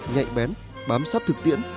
nhạy bén bám sát thực tiễn